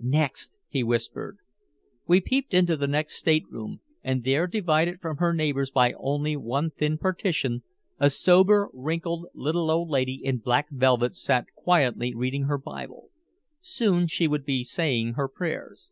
"Next," he whispered. We peeped into the next stateroom, and there divided from her neighbors by only one thin partition, a sober, wrinkled little old lady in black velvet sat quietly reading her Bible. Soon she would be saying her prayers.